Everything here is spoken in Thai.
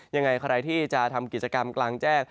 ยังไงใครที่จะทำกิจกรรมกลางแจ้ง